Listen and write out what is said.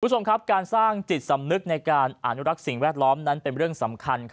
คุณผู้ชมครับการสร้างจิตสำนึกในการอนุรักษ์สิ่งแวดล้อมนั้นเป็นเรื่องสำคัญ